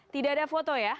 tidak ada foto ya